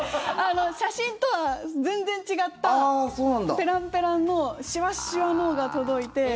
写真とは全然違ったペランペランのしわっしわのが届いて。